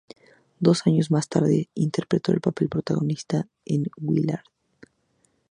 Dos años más tarde interpretó el papel protagonista en "Willard".